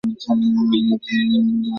ওহ, আপনি থাঙ্গারাজ?